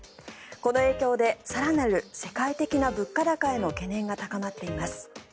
この影響で更なる世界的な物価高への懸念が高まっています。